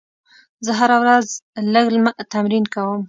زه هره ورځ لږ تمرین کوم.